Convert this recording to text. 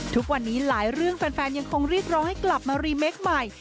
ทุกวันนี้หลายเรื่องแฟนยังคงเรียกร้องให้กลับมารีเมคใหม่